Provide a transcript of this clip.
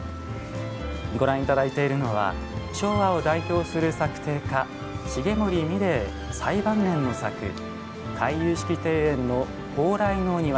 ご覧頂いているのは昭和を代表する作庭家重森三玲最晩年の作回遊式庭園の「莱の庭」です。